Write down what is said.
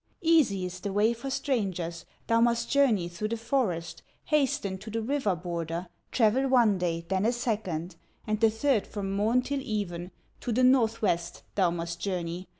"Easy is the way for strangers: Thou must journey through the forest, Hasten to the river border, Travel one day, then a second, And the third from morn till even, To the north west, thou must journey.